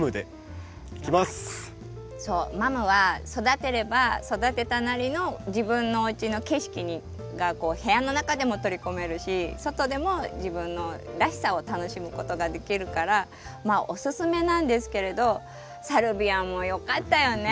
そうマムは育てれば育てたなりの自分のおうちの景色がこう部屋の中でも取り込めるし外でも自分のらしさを楽しむことができるからおすすめなんですけれどサルビアもよかったよね。